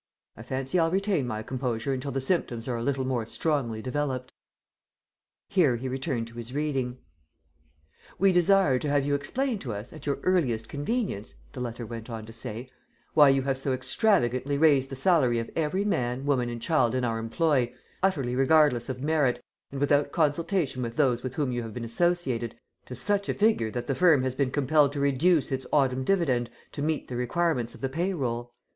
I fancy I'll retain my composure until the symptoms are a little more strongly developed." Here he returned to his reading. "We desire to have you explain to us, at your earliest convenience," the letter went on to say, "why you have so extravagantly raised the salary of every man, woman and child in our employ, utterly regardless of merit, and without consultation with those with whom you have been associated, to such a figure that the firm has been compelled to reduce its autumn dividend to meet the requirements of the pay roll.